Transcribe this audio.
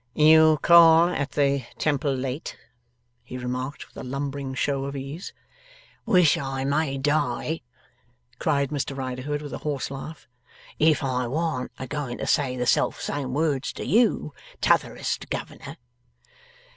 'You call at the Temple late,' he remarked, with a lumbering show of ease. 'Wish I may die,' cried Mr Riderhood, with a hoarse laugh, 'if I warn't a goin' to say the self same words to you, T'otherest Governor!